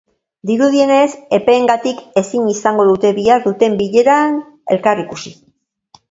Dirudienez, epeengatik ezin izango dute bihar duten bileran elkar ikusi.